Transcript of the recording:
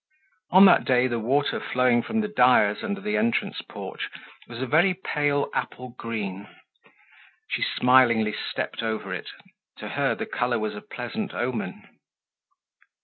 On that day the water flowing from the dyer's under the entrance porch was a very pale apple green. She smilingly stepped over it; to her the color was a pleasant omen.